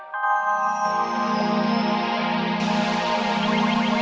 jangan lupa like share dan subscribe ya